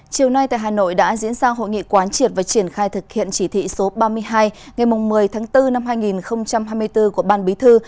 chiều nay tại hà nội đã diễn ra hội nghị quán triệt và triển khai thực hiện chỉ thị số ba mươi hai ngày một mươi tháng bốn năm hai nghìn hai mươi bốn của ban bí thư